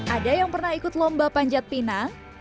ada yang pernah ikut lomba panjat pinang